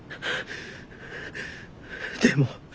でも。